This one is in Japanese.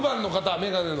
眼鏡の。